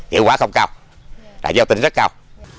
hiệu quả không cao là giao tinh rất cao